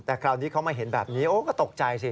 แต่คราวนี้เขามาเห็นแบบนี้โอ้ก็ตกใจสิ